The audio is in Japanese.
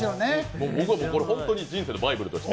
僕は本当に人生のバイブルとして。